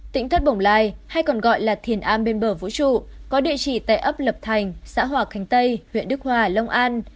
tỉnh thất bồng lai hay còn gọi là thiền an bên bờ vũ trụ có địa chỉ tại ấp lập thành xã hòa khánh tây huyện đức hòa long an